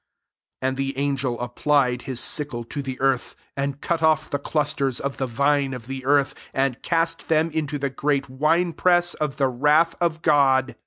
19 And the angel applied his sickle to the earth, and cut off the clusters of the vine of the earth, and cast them into the great wine press of the wrath of God.